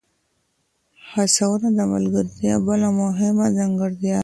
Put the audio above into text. هڅونه د ملګرتیا بله مهمه ځانګړتیا ده.